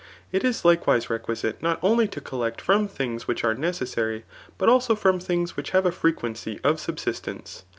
It is likewise requiske not only to collect from things which ^re necessary, bat also from things which have a frequency of subsistence.